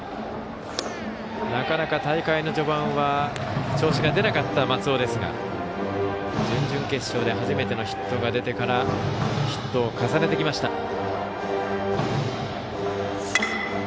なかなか大会の序盤は調子が出なかった松尾ですが準々決勝で初めてのヒットが出てからヒットを重ねてきました。